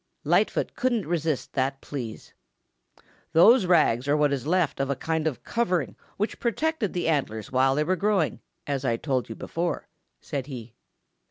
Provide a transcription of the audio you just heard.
Lightfoot couldn't resist that "please." "Those rags are what is left of a kind of covering which protected the antlers while they were growing, as I told you before," said he.